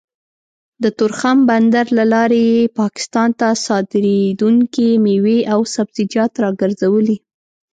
د تورخم بندر له لارې يې پاکستان ته صادرېدونکې مېوې او سبزيجات راګرځولي